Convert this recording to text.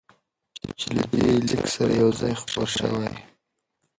چې له دې لیک سره یو ځای خپور شوی،